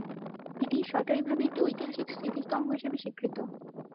এটি সরকারীভাবে একটি ঐতিহাসিক স্মৃতিস্তম্ভ হিসেবে স্বীকৃত।